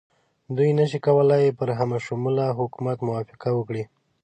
دوی نه شي کولای پر همه شموله حکومت موافقه وکړي.